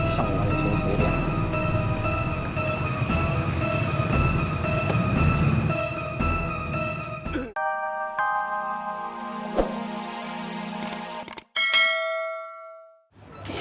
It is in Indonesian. seng balik sendiri